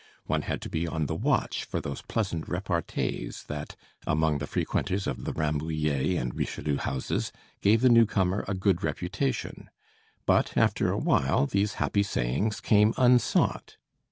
One had to be on the watch for those pleasant repartees that, among the frequenters of the Rambouillet and Richelieu houses, gave the new comer a good reputation; but after a while these happy sayings came unsought.